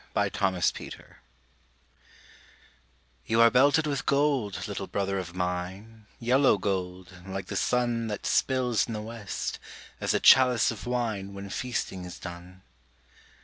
THE HOMING BEE You are belted with gold, little brother of mine, Yellow gold, like the sun That spills in the west, as a chalice of wine When feasting is done.